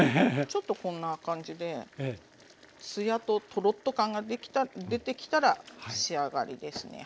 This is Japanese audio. ちょっとこんな感じでツヤとトロッと感が出てきたら仕上がりですね。